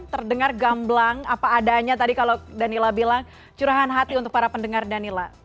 terdengar gamblang apa adanya tadi kalau danila bilang curahan hati untuk para pendengar danila